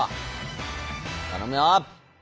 頼むよ！